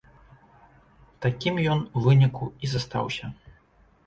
Такім ён у выніку і застаўся.